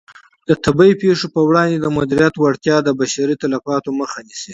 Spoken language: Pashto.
د طبیعي پېښو په وړاندې د مدیریت وړتیا د بشري تلفاتو مخه نیسي.